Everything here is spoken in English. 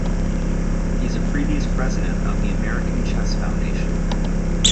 He is a previous President of the American Chess Foundation.